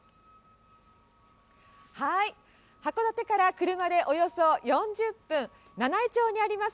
函館から車でおよそ４０分、七飯町にあります